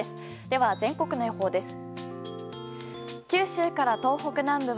では、全国の予報です。